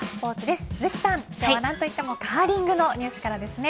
今日は何といってもカーリングのニュースからです。